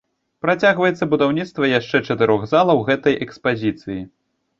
Працягваецца будаўніцтва яшчэ чатырох залаў гэтай экспазіцыі.